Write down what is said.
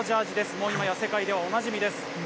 もう今や、世界ではおなじみです。